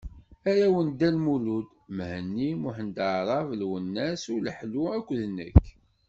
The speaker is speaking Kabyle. Arraw n Dda Lmulud: Mhenni, Muḥend Aɛṛab, Lwennas, Uleḥlu akked nekk.